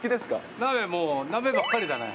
鍋、もう、鍋ばっかりだね。